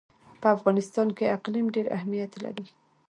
په افغانستان کې اقلیم ډېر اهمیت لري.